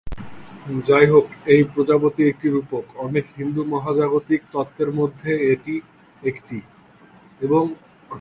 যাইহোক, এই প্রজাপতি একটি রূপক, অনেক হিন্দু মহাজাগতিক তত্ত্বের মধ্যে একটি, এবং ঋগ্বেদে কোন সর্বোচ্চ দেবতা নেই।